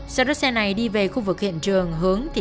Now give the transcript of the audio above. và bí ẩn của vụ án vẫn chìm trong đêm tối